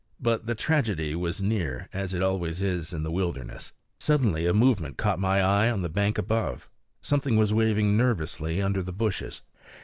But the tragedy was near, as it always is in the wilderness. Suddenly a movement caught my eye on the bank above. Something was waving nervously under the bushes.